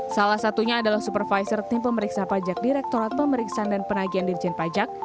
salah satunya adalah supervisor tim pemeriksa pajak direktorat pemeriksaan dan penagihan dirjen pajak